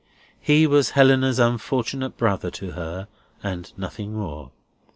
He was Helena's unfortunate brother, to her, and nothing more.